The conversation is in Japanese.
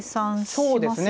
そうですね。